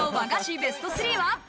ベスト３は。